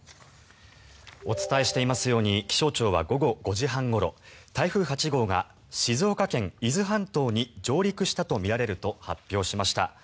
お伝えしていますように気象庁は午後５時半ごろ台風８号が静岡県・伊豆半島に上陸したとみられると発表しました。